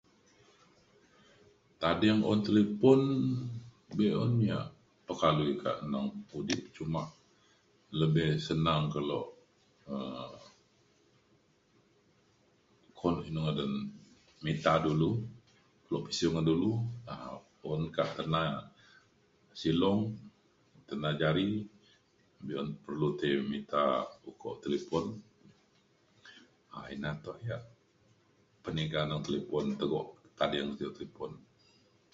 tading un talipon be'un ia' pekaliu ka neng udip cuma lebih senang kelo um call inu ngadan mita dulu kelo pesiu ngan dulu um un ka tena silong tena jari be'un perlu ti mita ukok talipon um ina tuak ia' peniga neng talipon tego tading un talipon